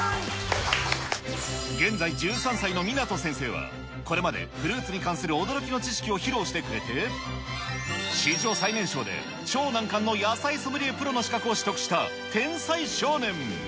現在、１３歳の湊先生はこれまでフルーツに関する驚きの知識を披露してくれて、史上最年少で超難関の野菜ソムリエプロの資格を取得した天才少年。